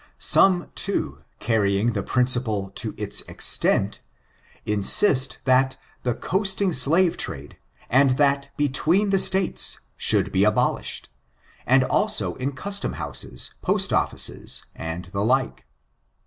Some, too, carrying the principle to its extent, insist that the coasting slave trade, and that between the States, should be abolished, and also in custom houses, post offices, and the like.